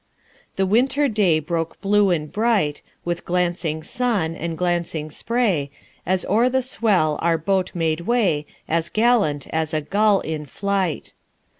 The Winter day broke blue and bright, With glancing sun and glancing spray, As o'er the swell our boat made way, As gallant as a gull in flight.